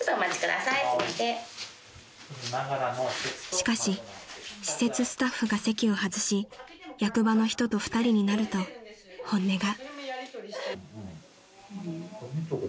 ［しかし施設スタッフが席を外し役場の人と２人になると本音が］